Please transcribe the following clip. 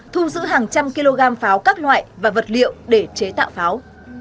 thu giữ hàng trăm kg pháo các loại và vật liệu để chế tạo pháo